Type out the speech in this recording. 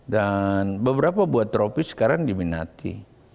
dan beberapa buat tropis sekarang diminati